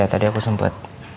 ya tadi aku sempet